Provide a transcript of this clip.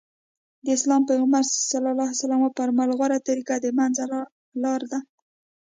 د اسلام پيغمبر ص وفرمايل غوره طريقه د منځ لاره ده.